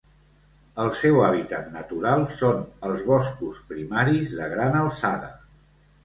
El seu hàbitat natural són els boscos primaris de gran alçada.